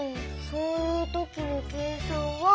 そういうときの計算は。